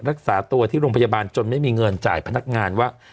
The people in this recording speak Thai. รักษาตัวที่โรงพยาบาลจนไม่มีเงินจ่ายพนักงานว่า